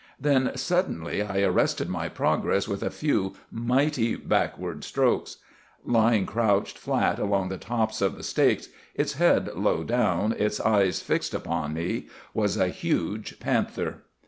Then suddenly I arrested my progress with a few mighty backward strokes. Lying crouched flat along the tops of the stakes, its head low down, its eyes fixed upon me, was a huge panther.